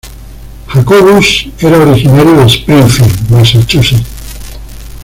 Jacobus era originario de Springfield, Massachusetts.